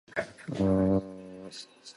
It can be used as a suffix to show endearment.